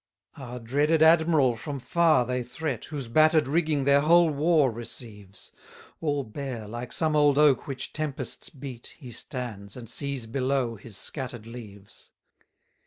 61 Our dreaded admiral from far they threat, Whose batter'd rigging their whole war receives: All bare, like some old oak which tempests beat, He stands, and sees below his scatter'd leaves.